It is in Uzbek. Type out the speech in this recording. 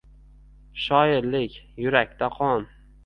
«Shoirlik — yurakda qon —